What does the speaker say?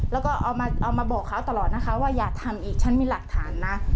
แล้วก็เอามาบอกเขาตลอดนะคะว่าอย่าทำอีกฉันมีหลักฐานนะ